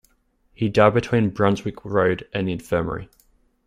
He died between Brunswick Road and the Infirmary.